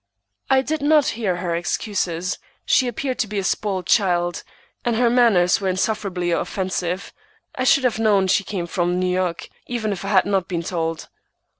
"I did not hear her excuses. She appeared to be a spoiled child, and her manners were insufferably offensive. I should have known she came from New York, even if I had not been told."